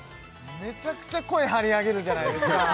めちゃくちゃ声張り上げるじゃないですか